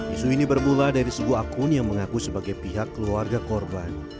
isu ini bermula dari sebuah akun yang mengaku sebagai pihak keluarga korban